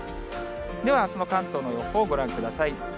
ではあすの関東の予報、ご覧ください。